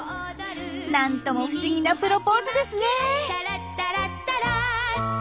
なんとも不思議なプロポーズですね。